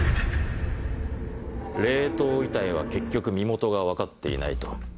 冷凍遺体は結局身元が分かっていないと。